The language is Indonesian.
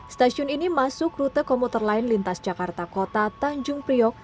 stasiun ini masuk rute komuter lain lintas jakarta kota tanjung priok